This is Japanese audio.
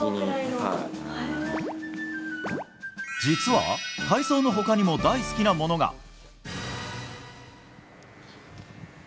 実は、体操の他にも大好きなものが。